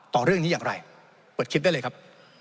ต่อเรื่องนี้อย่างไรเปิดคลิปได้เลยครับ